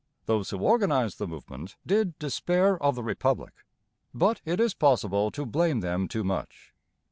Those who organized the movement did 'despair of the republic.' But it is possible to blame them too much.